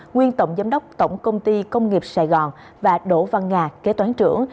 nguyên tổng giám đốc tổng công ty công nghiệp sài gòn và đỗ văn nga kế toán trưởng